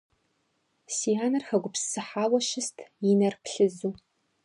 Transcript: Си анэр хэгупсысыхьауэ щыст и нэр плъызу.